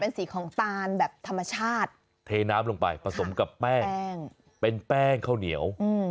สีของตาลแบบธรรมชาติเทน้ำลงไปผสมกับแป้งเป็นแป้งข้าวเหนียว